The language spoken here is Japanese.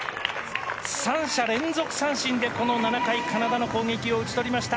３者連続三振でこの７回カナダを打ち取りました。